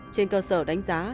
trên cơ sở đánh giá